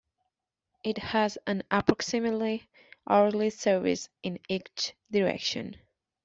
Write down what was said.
It has an approximately hourly service in each direction.